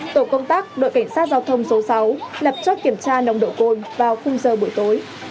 tổ công tác đội cảnh sát giao thông số sáu lập chốt kiểm tra nồng độ cồn vào khung giờ buổi tối